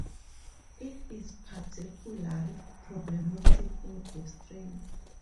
It is particularly problematic in Australia.